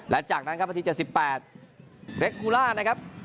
และจากนั้นครับอันทีเจ็ดสิบแปดเร็กกูล่านะครับ